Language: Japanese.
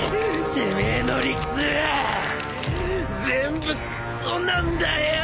てめえの理屈は全部くそなんだよ！